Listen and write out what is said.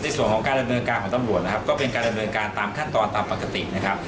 ในส่วนของการดำเนินการของตำรวจนะครับก็เป็นการดำเนินการตามขั้นตอนตามปกตินะครับ